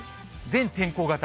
全天候型。